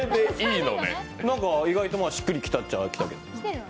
なんか意外としっくりきたっちゃ、きたけど。